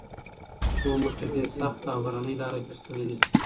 څو موږ په دې سخته او غرنۍ لاره کې ستړي نه شو.